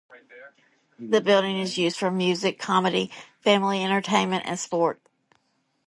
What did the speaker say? The building is used for music, comedy, family entertainment and sport.